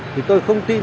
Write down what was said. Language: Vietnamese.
thì tôi không tin